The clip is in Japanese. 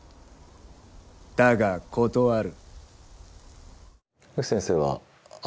だが断る。